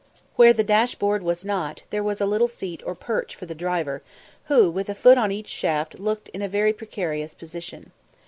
Where the dash board was not, there was a little seat or perch for the driver, who with a foot on each shaft looked in a very precarious position.